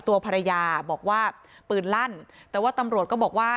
ตัวภรรยาบอกว่าปืนลั่นแต่ว่าตำรวจก็บอกว่า